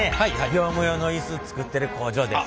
業務用のイス作ってる工場です。